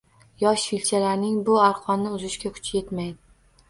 Yosh filchalarning bu arqonni uzishga kuchi etmaydi